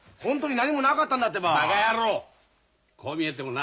何。